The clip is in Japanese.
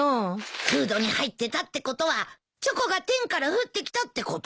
フードに入ってたってことはチョコが天から降ってきたってこと？